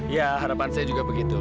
ya harapan saya juga begitu